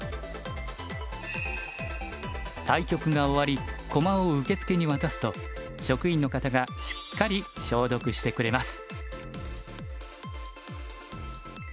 対局が終わり駒を受付に渡すと職員の方がしっかり消毒してくれます。